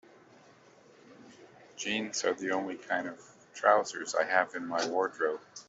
Jeans are the only kind of trousers I have in my wardrobe.